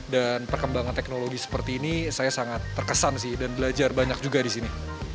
dan perkembangan teknologi seperti ini saya sangat terkesan dan belajar banyak juga disini